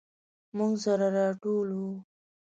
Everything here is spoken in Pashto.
موږ سره راټول وو.